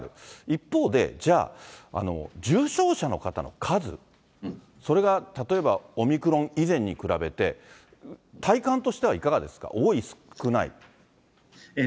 一方で、じゃあ、重症者の方の数、それが例えばオミクロン以前に比べて、体感としてはいかがですか？